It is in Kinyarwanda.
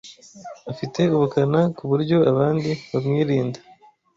Afite ubukana kuburyo abandi bamwirinda.